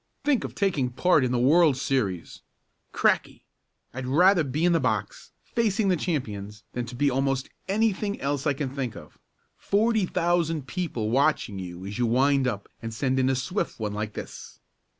Think of taking part in the World's series! Cracky! I'd rather be in the box, facing the champions, than to be almost anything else I can think of. Forty thousand people watching you as you wind up and send in a swift one like this!"